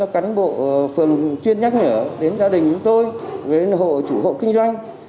các cá nhân bộ phường tuyên nhắc nhở đến gia đình chúng tôi với hộ chủ hộ kinh doanh